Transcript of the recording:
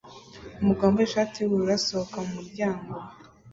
Umugabo wambaye ishati yubururu asohoka mumuryango